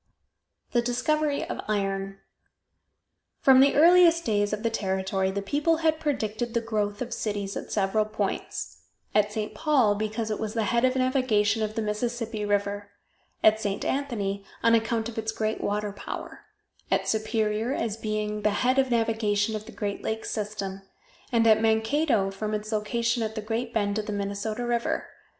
THE DISCOVERY OF IRON. From the earliest days of the territory the people had predicted the growth of cities at several points. At St. Paul, because it was the head of navigation of the Mississippi river; at St. Anthony, on account of its great water power; at Superior, as being the head of navigation of the Great Lakes system; and at Mankato, from its location at the great bend of the Minnesota river.